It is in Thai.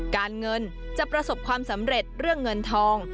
การเงินจะประสบความสำเร็จเรื่องเงินทอง